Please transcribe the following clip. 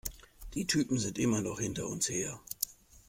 Die Typen sind immer noch hinter uns her!